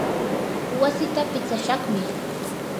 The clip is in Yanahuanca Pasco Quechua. wasiita pitsashaqmi.